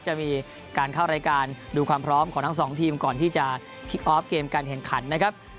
จะมีการเข้ารายการดูความพร้อมของทั้งสองทีมก่อนที่จะคลิกออฟเกมการแข่งขันนะครับ